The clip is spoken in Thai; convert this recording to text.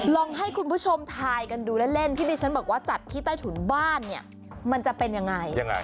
ลองให้คุณพี่ชมไทยกันดูเล่นที่นี่ฉันบอกจัดขี้ใต้ถุนบ้านมันจะเป็นยังไง